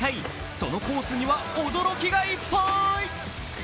そのコースには、驚きがいっぱい！